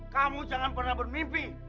kamu jangan pernah bermimpi